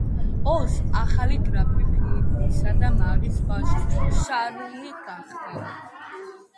ოს ახალი გრაფი ფილიპისა და მარის ვაჟი, შარლი გახდა.